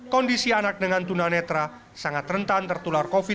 kondisi anak dengan tunanetra sangat rentan tertular covid sembilan belas